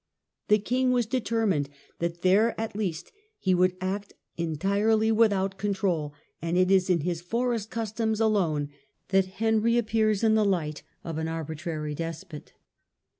The king was determined that there at least he would act entirely without control, and it is in his forest customs alone that Henry appears in the light of an arbitrary despot.